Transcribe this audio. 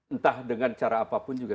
entah dengan cara apapun juga